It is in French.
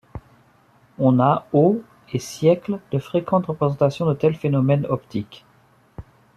On a aux et siècles de fréquentes représentations de tels phénomènes optiques.